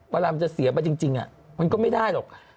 เวลามันจะเสียไปจริงมันก็ไม่ได้หรอก